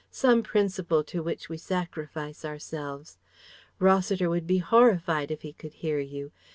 Some principle to which we sacrifice ourselves. Rossiter would be horrified if he could hear you.